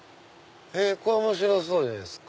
これ面白そうじゃないですか。